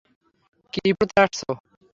কি পড়তে আসছো?